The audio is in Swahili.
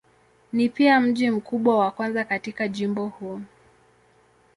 Ni pia mji mkubwa wa kwanza katika jimbo huu.